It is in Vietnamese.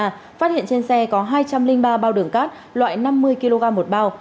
phát hiện trên xe có hai trăm linh ba bao đường cát loại năm mươi kg một bao